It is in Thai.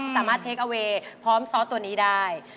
สามารถเทคเอาเวสพร้อมซอสตัวนี้ได้